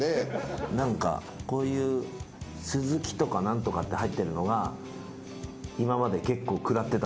何かこういうスズキとか何とかって入ってるのが今まで結構食らってた。